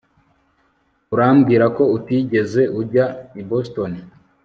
Urambwira ko utigeze ujya i Boston